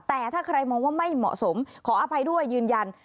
แต่ถ้าใครมองว่าไม่เหมาะสมขออภัยด้วยยืนยัน